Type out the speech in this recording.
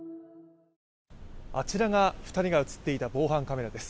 あちらが２人が映っていた防犯カメラです。